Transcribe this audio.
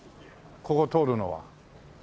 ここ通るのはねっ。